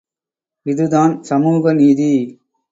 இது தான் சமூக நீதி.